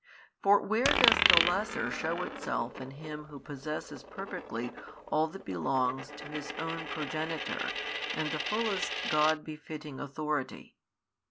For where does the lesser shew itself in Him who possesses perfectly all that belongs to His own Progenitor and the fullest God befitting Authority?